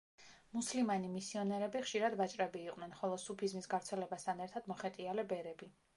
მუსლიმანი მისიონერები ხშირად ვაჭრები იყვნენ, ხოლო სუფიზმის გავრცელებასთან ერთად მოხეტიალე ბერები.